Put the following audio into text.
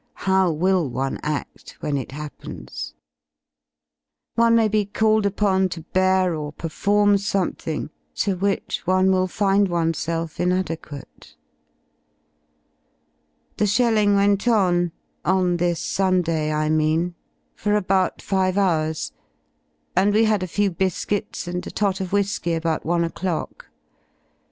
How will one ad when it happens F"^ One mayTe* 68 f called upon to bear or perform something to which one will find oneself inadequate. The shelling went on — on this Sunday, I mean — for about five hours, and we had a few biscuits and a tot of whisky about i o'clock.